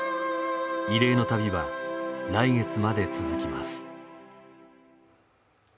慰霊の旅は来月まで続きます。